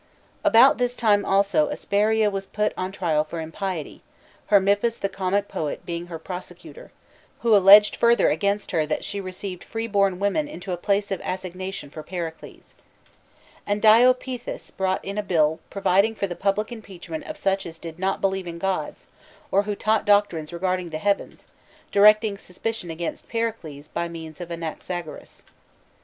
About this time also Aspasia was put on trial for impiety, Hermippus the comic pcet being her prosecutor, who alleged further against her that she received free born women into a place of assign ation for Pericles. And Diopeithes brought in a bill providing for the public impeachment of such as did not believe in gods, or who taught doctrines regard ing the heavens, directing suspicion against Pericles by means of Anaxagoras.